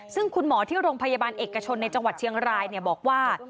ซึ่งคุณหมอที่โรงพยาบาลเอกชนในจังหวัดเชียงรายบอกว่า